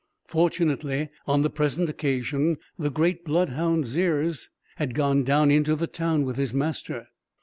Fortunately, on the present occasion, the great bloodhound Zeres had gone down into the town with his master.